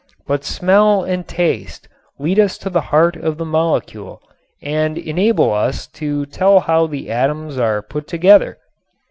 But smell and taste lead us to the heart of the molecule and enable us to tell how the atoms are put together.